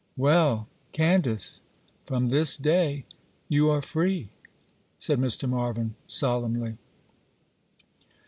'Well, Candace, from this day you are free,' said Mr. Marvyn, solemnly.